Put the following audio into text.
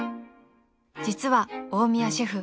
［実は大宮シェフ